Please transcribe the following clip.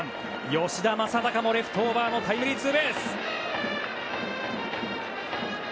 吉田正尚もレフトオーバーのタイムリーツーベース！